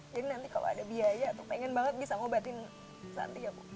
jadi nanti kalau ada biaya tuh pengen banget bisa ngobatin santi ya ibu